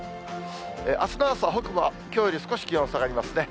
あすの朝、北部はきょうより少し気温下がりますね。